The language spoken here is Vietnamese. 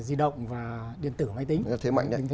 di động và điện tử máy tính